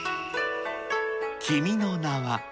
君の名は？